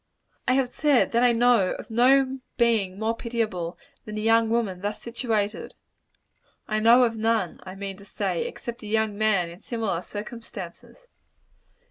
I have said that I know of no being so pitiable, as a young woman thus situated. I know of none, I mean to say, except a young man in similar circumstances.